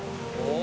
お。